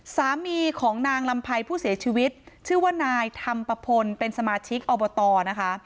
สามีของนางลำไพรผู้เสียชีวิตชื่อว่านายธรรมปะพลเป็นสมาชิกอบตนะคะ